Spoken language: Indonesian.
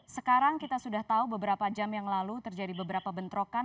sekarang kita sudah tahu beberapa jam yang lalu terjadi beberapa bentrokan